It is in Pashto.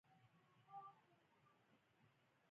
بلې پولې ته شو چې له خلکو لېرې شي.